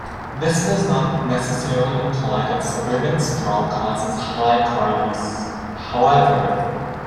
This does not necessarily imply that suburban sprawl causes high car use, however.